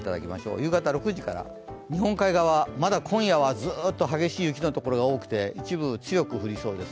夕方６時から、日本海側、まだ今夜はずっと激しい雪のところが多くて一部、強く降りそうです。